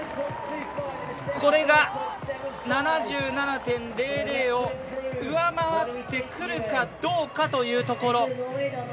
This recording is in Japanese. これが、７７．００を上回ってくるかどうかというところ。